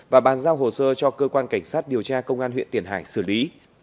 và bàn giao hồ sơ cho cơ quan cảnh sát điều tra công an huyện tiền hải xử lý